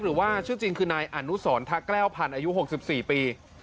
หรือว่าชื่อจริงคือนายอนุสรทะแก้วพันธ์อายุ๖๔ปี